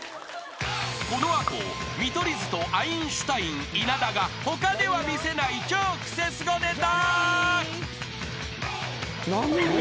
［この後見取り図とアインシュタイン稲田が他では見せない超クセスゴネタ］